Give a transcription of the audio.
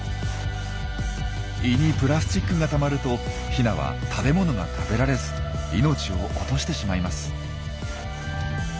胃にプラスチックがたまるとヒナは食べ物が食べられず命を落としてしまいます。